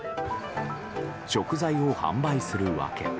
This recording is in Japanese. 食材を販売するわけ。